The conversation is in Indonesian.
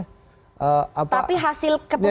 tapi hasil keputusan